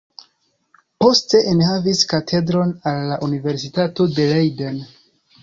Poste enhavis katedron al la universitato de Leiden.